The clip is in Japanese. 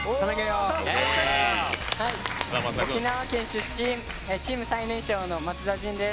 沖縄県出身チーム最年少、松田迅です。